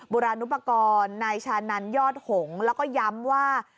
บุรานุปกรณ์นายชานันยอดหงษ์แล้วก็ย้ำว่า